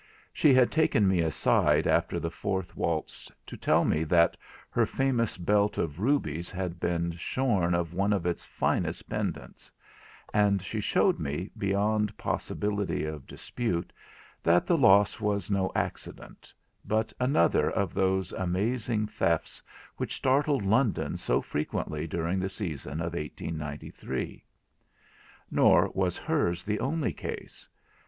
She had taken me aside after the fourth waltz to tell me that her famous belt of rubies had been shorn of one of its finest pendants; and she showed me beyond possibility of dispute that the loss was no accident, but another of those amazing thefts which startled London so frequently during the season of 1893. Nor was hers the only case.